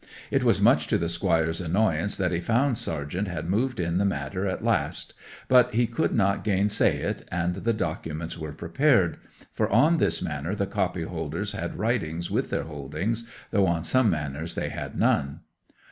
It was much to the Squire's annoyance that he found Sargent had moved in the matter at last; but he could not gainsay it, and the documents were prepared (for on this manor the copy holders had writings with their holdings, though on some manors they had none).